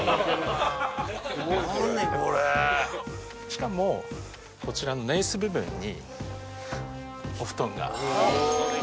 しかもこちらの寝椅子部分にお布団が。